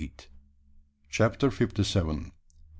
CHAPTER FIFTY SEVEN.